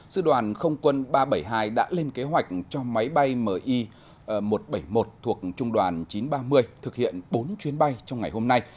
sự đoàn không quân ba trăm bảy mươi hai đã lên kế hoạch cho máy bay mi một trăm bảy mươi một thuộc trung đoàn chín trăm ba mươi thực hiện bốn chuyến bay trong ngày hôm nay